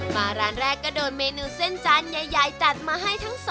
มาร้านแรกก็โดนเมนูเส้นจานใหญ่จัดมาให้ทั้ง๒